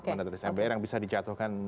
mandataris mpr yang bisa dicatuhkan